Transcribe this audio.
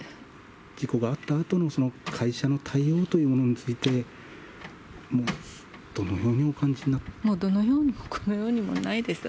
事故があったあとのその会社の対応というものについて、もうどのようにもこのようにもないです。